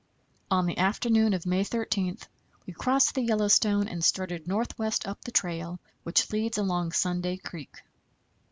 On the afternoon of May 13 we crossed the Yellowstone and started northwest up the trail which leads along Sunday Creek.